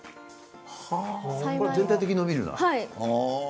全体的に伸びるな。